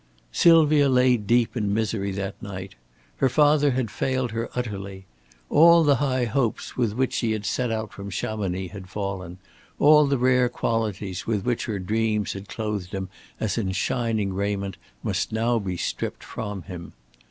Sylvia lay deep in misery that night. Her father had failed her utterly. All the high hopes with which she had set out from Chamonix had fallen, all the rare qualities with which her dreams had clothed him as in shining raiment must now be stripped from him.